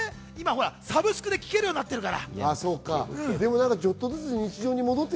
今、サブスクで聴けるようになってるから。